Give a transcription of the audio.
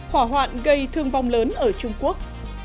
hỏa hoạn gây thương vong lớn ở trung quốc